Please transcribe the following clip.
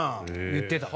言ってた。